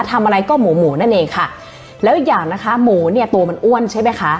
ทำอะไรก็หมูหมูนั่นเองค่ะแล้วอีกอย่างนะคะหมูเนี่ยตัวมันอ้วนใช่ไหมคะ